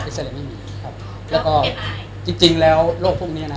ก็เป็นเรื่องของเทคนิคฮะในของแพทย์ที่จะต้องคุยกันทีนี้